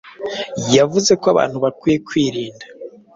Yavuze ko abantu bakwiye kwirinda